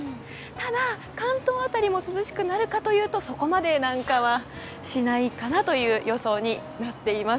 ただ関東辺りも涼しくなるかというとそこまで南下はしないかなという予想になっています。